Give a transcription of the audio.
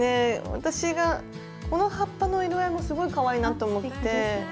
私がこの葉っぱの色合いもすごいかわいいなと思って。